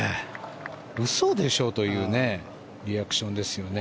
嘘でしょ？というリアクションですよね。